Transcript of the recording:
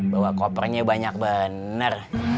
bawa kopernya banyak bener